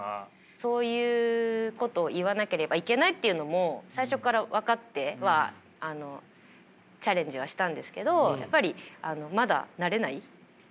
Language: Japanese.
そういうことを言わなければいけないというのも最初から分かってはチャレンジはしたんですけどやっぱりまだ慣れない。